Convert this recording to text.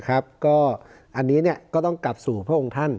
อันนี้ก็ต้องกลับสู่พระองค์ท่าน